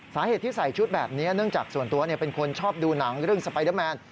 สาเหตุที่ใส่ชุดแบบนี้เนื่องจากส่วนตัวเป็นคนชอบดูหนังเรื่องสไปเดอร์แมน